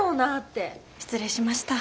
失礼しました。